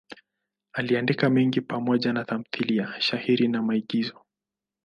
Aliandika mengi pamoja na tamthiliya, shairi na maigizo.